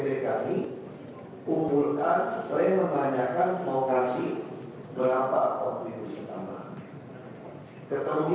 disitu disebutkan akan diperhitungkan